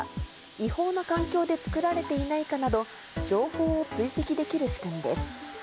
違法な環境で作られていないかなど、情報を追跡できる仕組みです。